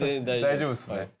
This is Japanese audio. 大丈夫ですね？